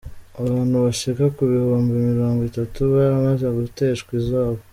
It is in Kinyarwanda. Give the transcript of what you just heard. Abantu bashika ku bihumbi mirongo itatu baramaze guteshwa izabo.